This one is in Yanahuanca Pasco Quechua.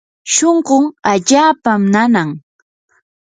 shunqun allaapam nanan.